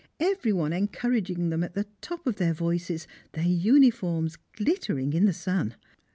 every one encouraging them at the top of their voices, their uniforms glittering in the sun.